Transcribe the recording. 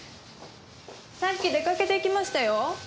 さっき出掛けていきましたよ。